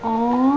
ya ampun om